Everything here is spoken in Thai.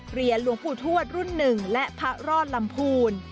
เกรียร์ลวงผู้ทวดรุ่น๑และพระรอดลำพูล